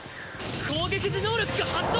攻撃時能力が発動。